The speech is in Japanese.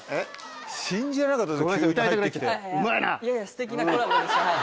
すてきなコラボでしたはい。